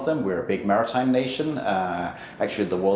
denmark adalah negara yang memproduksi makanan